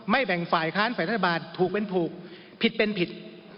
แบ่งฝ่ายค้านฝ่ายรัฐบาลถูกเป็นถูกผิดเป็นผิด